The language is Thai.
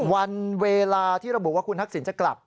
วันเวลาที่ระบุว่าคุณทักษิณจะกลับ